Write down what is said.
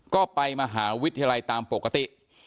ก็ไปมหาวิทยาลัยตามปกติ